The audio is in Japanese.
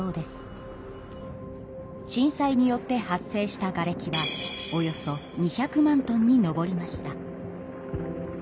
震災によって発生したがれきはおよそ２００万トンに上りました。